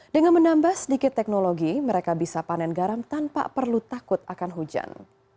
dengan menambah sedikit teknologi mereka bisa panen garam tanpa perlu takut akan hujan